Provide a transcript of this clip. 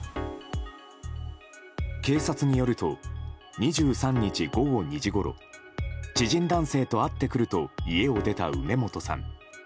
警察によると２３日午後２時ごろ知人男性と会ってくると家を出た梅本さん。